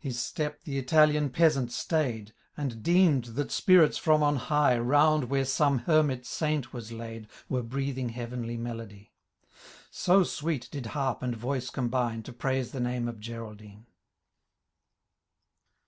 His step the Italian peasant stay'd^ And deemM, that spirits from on high. Round where some hermit saint whs laid. Were breathing heavenly melody : So sweet did harp and voice combine,' To praise the name of Geraldine.